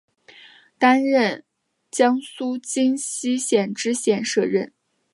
担任江苏荆溪县知县摄任。